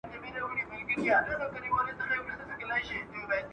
که موږ په تحقیق کې ساینس ونه کاروو نو کار به مو ستونزمن وي.